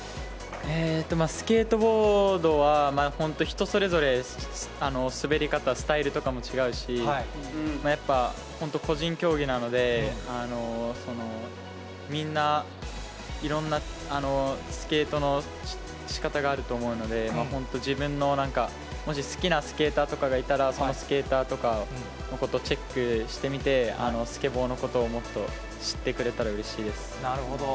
スケートボードは、本当、人それぞれ、滑り方、スタイルとかも違うし、やっぱ、本当、個人競技なので、みんな、いろんなスケートのしかたがあると思うので、本当自分の、もし好きなスケーターがいたら、そのスケーターとかのことをチェックしてみて、スケボーのことをもっと知ってくれたらうれしいでなるほど。